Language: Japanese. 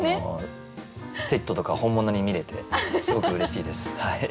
セットとか本物に見れてすごくうれしいです。